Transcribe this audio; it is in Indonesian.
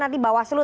nanti bawah selu